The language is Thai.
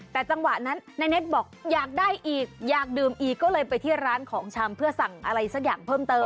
แต่จังหวะนั้นนายเน็ตบอกอยากได้อีกอยากดื่มอีกก็เลยไปที่ร้านของชำเพื่อสั่งอะไรสักอย่างเพิ่มเติม